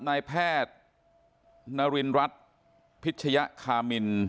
นายแพทย์นารินรัฐพิชยคามิน